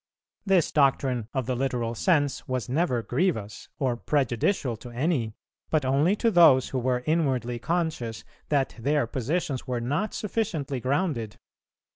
... This doctrine of the literal sense was never grievous or prejudicial to any, but only to those who were inwardly conscious that their positions were not sufficiently grounded.